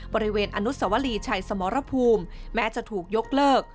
บริเวณอนุสวรีชัยสมรภูมิแม้จะถูกยกเลิก